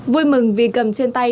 vui mừng vì cầm trên tay